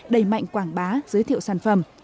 đầy mạnh quảng bá giới thiệu sản phẩm